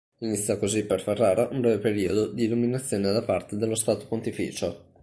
Iniziò così per Ferrara un breve periodo di dominazione da parte dello Stato Pontificio.